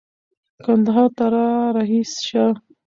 کندهار ته را رهي شه.